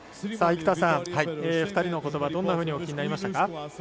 生田さん、２人のことばどんなふうにお聞きになりましたか？